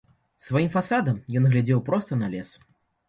Сваім фасадам ён глядзеў проста на лес.